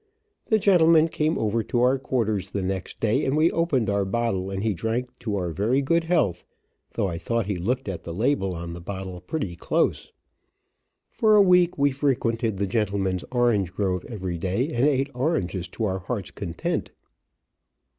The gentleman came over to our quarters the next day, and we opened our bottle, and he drank to our very good health, though I thought he looked at the label on the bottle pretty close. For a week we frequented the gentleman's orange grove every day, and ate oranges to our heart's content.